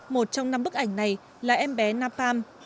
một trong năm bức ảnh này là em bé napam